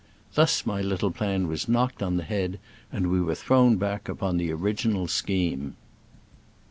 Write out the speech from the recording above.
Thus my little plan was knocked on the head, and we were thrown back upon the orig inal scheme.